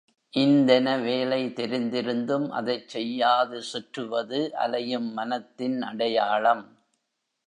இன்தென வேலை தெரிந்திருந்தும் அதைச் செய்யாது சுற்றுவது அலையும் மனத்தின் அடையாளம்.